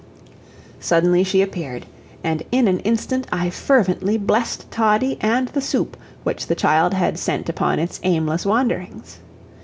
Suddenly she appeared, and in an instant I fervently blessed Toddie and the soup which the child had sent upon its aimless wanderings.